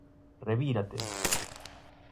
Revírate!